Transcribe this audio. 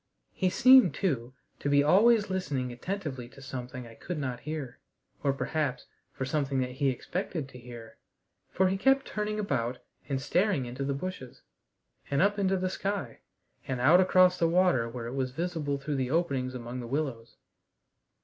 He seemed, too, to be always listening attentively to something I could not hear, or perhaps for something that he expected to hear, for he kept turning about and staring into the bushes, and up into the sky, and out across the water where it was visible through the openings among the willows.